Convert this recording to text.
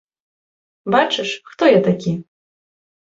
Бачыш, хто я такі?